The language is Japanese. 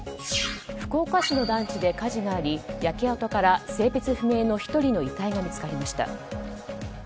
福岡市の団地で火事があり焼け跡から性別不明の１人の遺体が見つかりました。